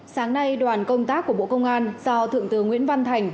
sáng nay đoàn công tác của bộ công an do thượng tướng nguyễn văn thành